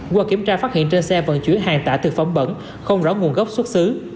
qua kiểm tra phát hiện trên xe vận chuyển hàng tạ thực phẩm bẩn không rõ nguồn gốc xuất xứ